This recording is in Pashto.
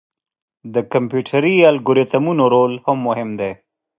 د کمپیوټري الګوریتمونو رول هم مهم دی.